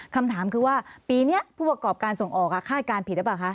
คำถามคือว่าปีนี้ผู้ประกอบการส่งออกคาดการณ์ผิดหรือเปล่าคะ